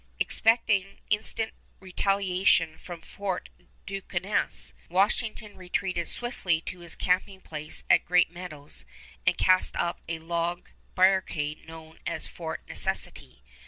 Expecting instant retaliation from Fort Duquesne, Washington retreated swiftly to his camping place at Great Meadows and cast up a log barricade known as Fort Necessity.